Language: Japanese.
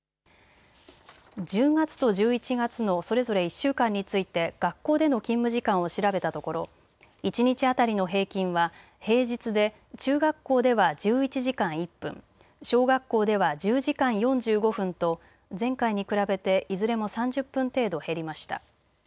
１０月と１１月のそれぞれ１週間について学校での勤務時間を調べたところ、一日当たりの平均は平日で中学校では１１時間１分、小学校では１０時間４５分と前回に比べていずれも３０分程度減りました。